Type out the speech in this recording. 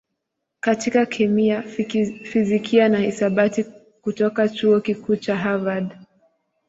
katika kemia, fizikia na hisabati kutoka Chuo Kikuu cha Harvard.